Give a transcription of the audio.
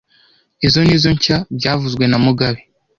Izo nizo nshya byavuzwe na mugabe